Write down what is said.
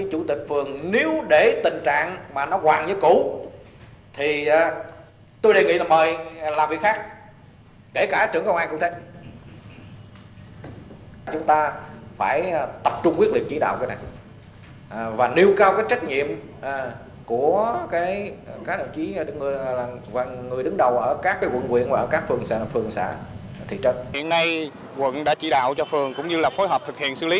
hiện nay quận đã chỉ đạo cho phường cũng như là phối hợp thực hiện xử lý